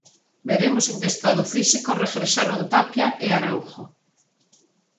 Veremos en que estado físico regresaron Tapia e Araújo.